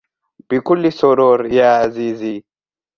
بكل سرور, يا عزيزي.